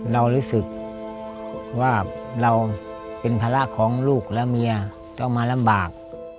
เรารู้สึกว่าเราเป็นภาระของลูกและเมียต้องมาลำบาก